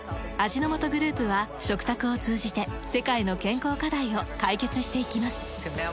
味の素グループは食卓を通じて世界の健康課題を解決していきます。